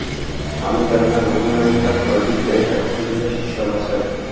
আমি জানি না, দক্ষিণ আমেরিকান কয়টি দেশ এখন পর্যন্ত শীর্ষ বাছাই।